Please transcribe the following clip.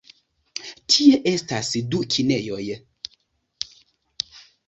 Tie estas du kinejoj.